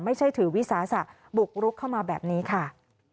ถือวิสาสะบุกรุกเข้ามาแบบนี้ค่ะ